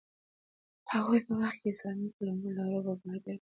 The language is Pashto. د هغوی په وخت کې اسلامي قلمرو له عربو بهر ډېر پراخ شو.